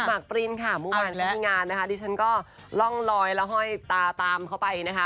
มากปรินค่ะเมื่อวานก็มีงานนะคะดิฉันก็ร่องลอยแล้วห้อยตาตามเขาไปนะคะ